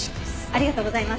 ありがとうございます。